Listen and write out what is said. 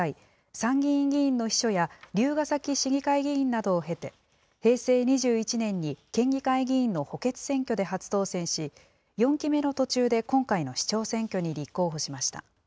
参議院議員の秘書や、龍ケ崎市議会議員などを経て、平成２１年に県議会議員の補欠選挙で初当選し、４期目の途中で今回の市長選挙に立候補しました。